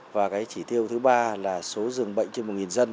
và cái chỉ tiêu thứ ba là số dường bệnh trên một dân